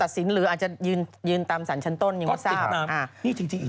วันนี้เขายังถือว่าหมอนี่เป็นผู้บริสุทธิ์